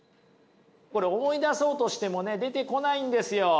これ思い出そうとしてもね出てこないんですよ。